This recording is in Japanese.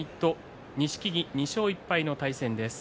錦木に２勝１敗の取組です。